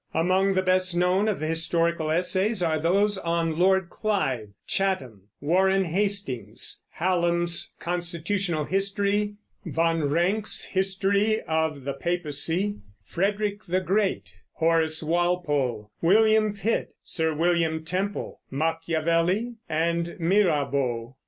Among the best known of the historical essays are those on Lord Clive, Chatham, Warren Hastings, Hallam's Constitutional History, Von Ranke's History of the Papacy, Frederick the Great, Horace Walpole, William Pitt, Sir William Temple, Machiavelli, and Mirabeau.